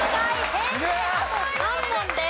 平成あと３問です。